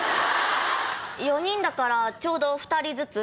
８⁉４人だからちょうど２人ずつ。